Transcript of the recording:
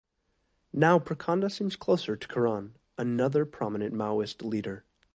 Now Prachanda seems closer to Kiran, another prominent Maoist leader.